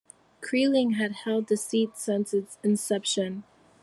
Kreling had held the seat since its inception.